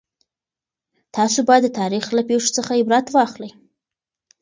تاسو باید د تاریخ له پېښو څخه عبرت واخلئ.